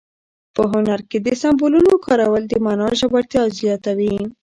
په هنر کې د سمبولونو کارول د مانا ژورتیا زیاتوي.